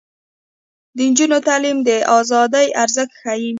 د نجونو تعلیم د ازادۍ ارزښت ښيي.